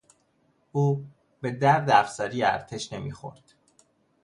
او به درد افسری ارتش نمیخورد.